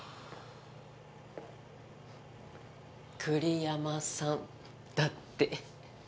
栗山さんだって。